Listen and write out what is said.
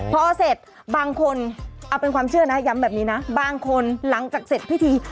พอเสร็จบางคนเอาเป็นความเชื่อนะย้ำแบบนี้นะบางคนหลังจากเสร็จพิธี